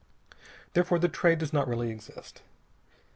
Therefore the Trade does not really exist.